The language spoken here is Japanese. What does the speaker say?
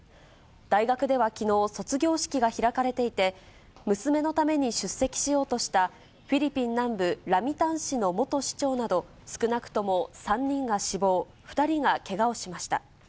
大学ではきのう、卒業式が開かれていて、娘のために出席しようとした、フィリピン南部ラミタン市の元市長など、少なくとも３人が死亡、２人がけがをしました。